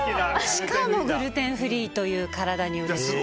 しかもグルテンフリーという体にうれしい。